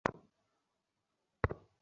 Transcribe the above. বিনোদিনী কহিল, মাপ কিসের জন্য।